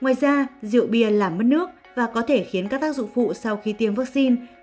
ngoài ra rượu bia làm mất nước và có thể khiến các tác dụng phụ sau khi tiêm vaccine